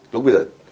lúc bây giờ